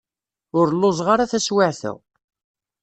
Ur lluẓeɣ ara taswiεt-a.